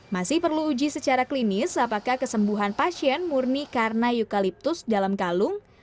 masih perlu uji secara klinis apakah kesembuhan pasien murni karena eukaliptus dalam kalung